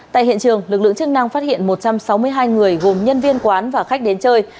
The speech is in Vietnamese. tại hiện trường lực lượng chức năng phát hiện một trăm sáu mươi hai người gồm nhân viên quán và khách đến chơi